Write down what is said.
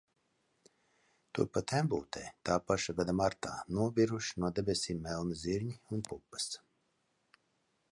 Turpat Embūtē tā paša gada martā nobiruši no debesīm melni zirņi un pupas.